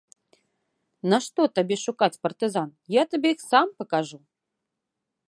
Нашто табе шукаць партызан, я табе іх сам пакажу!